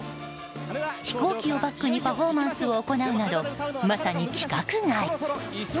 飛行機をバックにパフォーマンスを行うなどまさに規格外。